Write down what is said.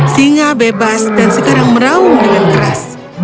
singa bebas dan sekarang meraung dengan keras